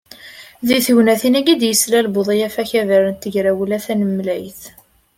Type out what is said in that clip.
Deg tegnatin-agi i d-yeslal Buḍyaf akabar n Tegrawla Tanemlayt.